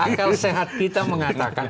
akal sehat kita mengatakan